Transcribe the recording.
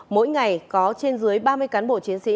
mỗi ngày có trên dưới ba mươi cán bộ chiến sĩ